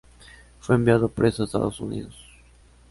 Fue enviado preso a Estados Unidos.